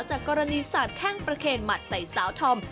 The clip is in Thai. จากกรณีสัตว์แข้งประเขณหมัดใส่ซ้าวธอม